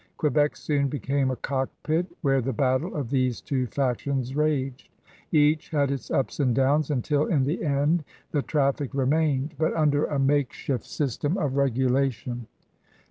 Quebec soon became a cockpit where the battle of these two factions raged. Each had its ups and downs, until in the end the traffic remained, but under a makeshift system of regulation.